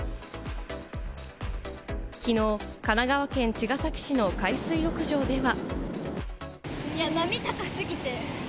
きのう、神奈川県茅ヶ崎市の海水浴場では。